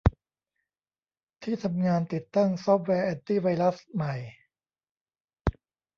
ที่ทำงานติดตั้งซอฟต์แวร์แอนตี้ไวรัสใหม่